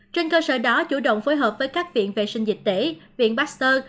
trên cơ sở đó chủ động phối hợp với các viện vệ sinh dịch tễ viện baxter